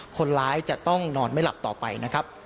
คนร้ายจะต้องนอนไม่หลับต่อไปนะครับ